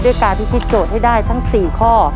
การพิธีโจทย์ให้ได้ทั้ง๔ข้อ